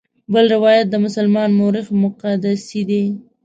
بل روایت د مسلمان مورخ مقدسي دی.